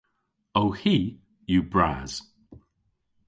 Ow hi yw bras.